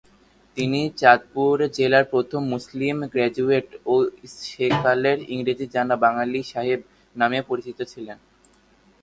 তিনি চাঁদপুর জেলার প্রথম মুসলিম গ্র্যাজুয়েট ও সেকালের ইংরেজি জানা বাঙালী সাহেব নামেও পরিচিত ছিলেন।